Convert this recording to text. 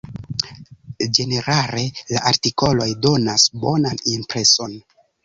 Ĝenerale la artikoloj donas bonan impreson.